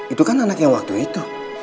itu kan anak yang waktu itu